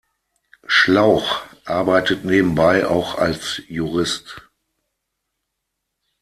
Schlauch arbeitet nebenbei auch als Jurist.